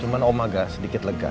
cuman om agak sedikit lega